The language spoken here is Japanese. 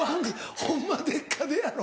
『ホンマでっか⁉』でやろ？